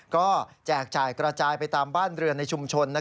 ก็แจกจ่ายกระจายไปตามบ้านเรือนในชุมชน